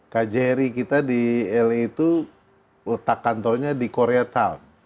kjri kita di la itu letak kantornya di koreatown